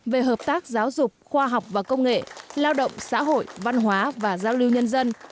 về hợp tác giáo dục khoa học và công nghệ lao động xã hội văn hóa và giao lưu nhân dân